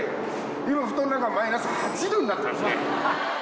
今布団の中マイナス８℃になってますね。